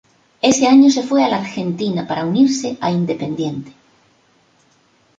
Ese año se fue a la Argentina para unirse a Independiente.